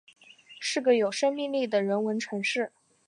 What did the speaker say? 是个有生命力的人文城市